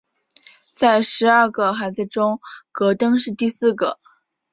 在十二个孩子中戈登是第四个。